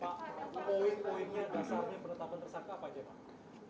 pak poin poinnya dasarnya penetapan tersangka apa aja pak